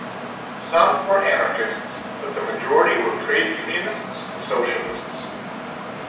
Some were Anarchists, but the majority were trade unionists and Socialists.